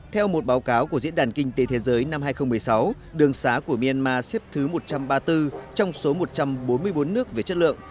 theo một báo cáo của diễn đàn kinh tế thế giới năm hai nghìn một mươi sáu đường xá của myanmar xếp thứ một trăm ba mươi bốn trong số một trăm bốn mươi bốn nước về chất lượng